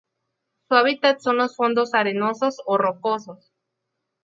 Su hábitat son los fondos arenosos o rocosos.